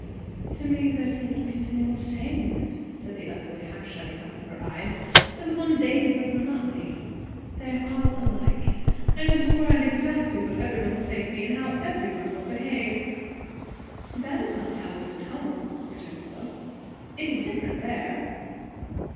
"To me there seems continual sameness!" said the other, with a half shutting up of her eyes, as of one dazed with monotony. "They are all alike. I know beforehand exactly what every one will say to me, and how every one will behave." "That is not how it is at home," returned Lois. "It is different there."